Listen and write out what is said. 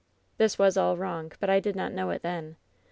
"This was all wrong, but I did not know it then.